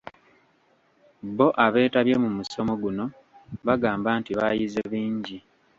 Bo abeetabye mu musomo guno, bagamba nti baayize bingi.